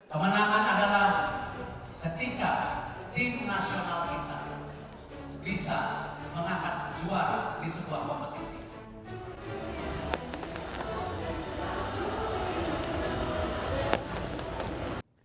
kemenangan adalah ketika tim nasional kita bisa mengangkat juara di sebuah kompetisi